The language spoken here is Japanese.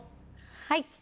はい。